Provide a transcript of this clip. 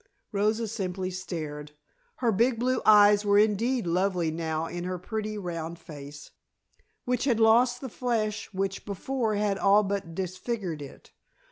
Rosa simply stared. Her big blue eyes were indeed lovely now in her pretty round face, which had lost the flesh which before had all but disfigured it.